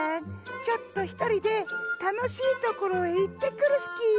ちょっとひとりでたのしいところへいってくるスキー。